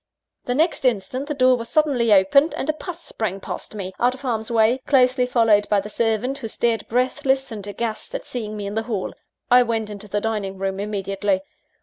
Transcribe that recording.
The next instant, the door was suddenly opened, and puss sprang past me, out of harm's way, closely followed by the servant, who stared breathless and aghast at seeing me in the hall. I went into the dining room immediately.